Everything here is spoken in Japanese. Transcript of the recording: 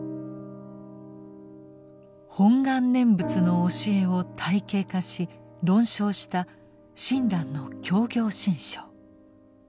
「本願念仏」の教えを体系化し論証した親鸞の「教行信証」。